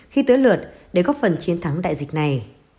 khi tới lượt để góp phần chiến thắng đại dịch này